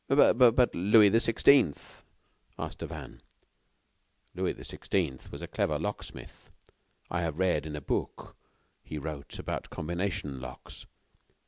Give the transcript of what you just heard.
"But Louis the sixteenth?" asked Devanne. "Louis the sixteenth was a clever locksmith. I have read a book he wrote about combination locks.